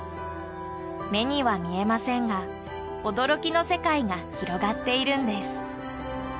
目には見えませんが驚きの世界が広がっているんです。